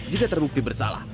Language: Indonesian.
jika terbukti bersalah